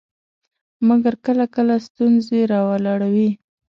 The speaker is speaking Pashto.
مګر کله کله ستونزې راولاړوي.